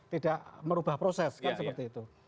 tidak merubah proses kan seperti itu